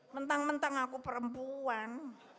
mentang mentang aku perempuan